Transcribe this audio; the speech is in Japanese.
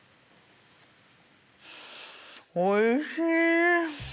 おいしい！